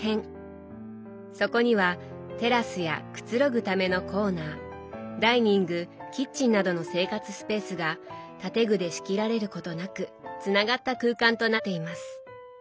そこにはテラスやくつろぐためのコーナーダイニングキッチンなどの生活スペースが建具で仕切られることなくつながった空間となっています。